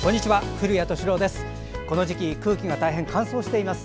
古谷敏郎です。